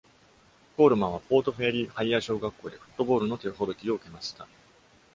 コールマンは、Port Fairy Higher 小学校でフットボールの手ほどきを受けました。